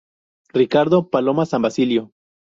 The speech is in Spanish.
Ricardo... paloma San Basilio.